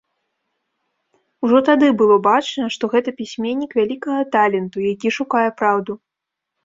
Ужо тады было бачна, што гэта пісьменнік вялікага таленту, які шукае праўду.